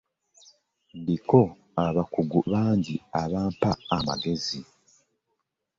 Ndiko abakugu bangi abampa amagezi.